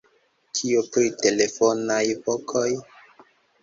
Kio pri telefonaj vokoj?